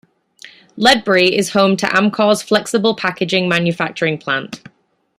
Ledbury is home to Amcor's flexible-packaging manufacturing plant.